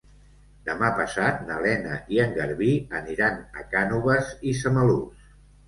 Demà passat na Lena i en Garbí aniran a Cànoves i Samalús.